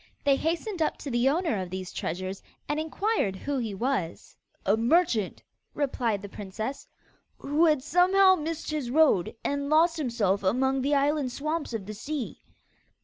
They hastened up to the owner of these treasures, and inquired who he was. 'A merchant,' replied the princess, 'who had somehow missed his road, and lost himself among the island swamps of the sea.